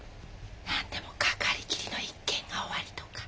何でもかかりきりの一件がおありとか。